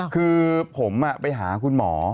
คือผมไปหาคุณหมอ